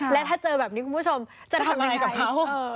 และถ้าเจอแบบนี้คุณผู้ชมจะทำอะไรกับเขา